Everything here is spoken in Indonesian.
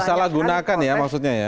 disalahgunakan ya maksudnya ya